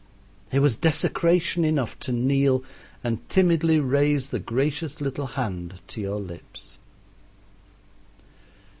It was desecration enough to kneel and timidly raise the gracious little hand to your lips.